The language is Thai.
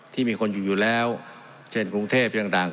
ที่มีคนอยู่แล้วเช่นกรุงเทพฯที่ต่าง